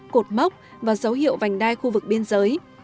cột mốc và dấu hiệu vành đai khu vực biên giới